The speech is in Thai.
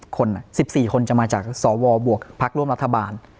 คน๑๔คนจะมาจากสวบวกพักร่วมรัฐบาล